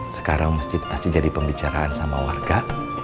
sekarang masjid masih jadi pembicaraan sama warga